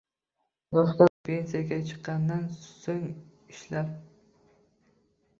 Yoshga doir pensiyaga chiqqandan so‘ng ishlab